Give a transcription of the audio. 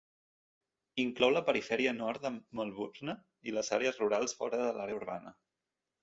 Inclou la perifèria nord de Melbourne i les àrees rurals fora de l'àrea urbana.